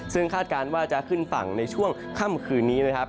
ซึ่งคาดการณ์ว่าจะขึ้นฝั่งในช่วงค่ำคืนนี้นะครับ